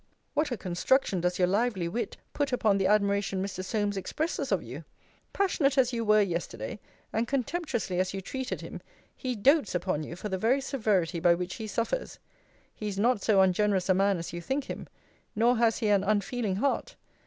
What a construction does your lively wit put upon the admiration Mr. Solmes expresses of you! Passionate as you were yesterday, and contemptuously as you treated him, he dotes upon you for the very severity by which he suffers. He is not so ungenerous a man as you think him: nor has he an unfeeling heart.